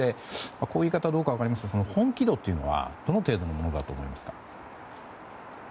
こういう言い方どうか分かりませんが本気度というのはどの程度のものだと思いますか。